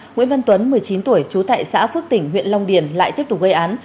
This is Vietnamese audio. nguyễn văn tuấn một mươi chín tuổi trú tại xã phước tỉnh huyện long điền lại tiếp tục gây án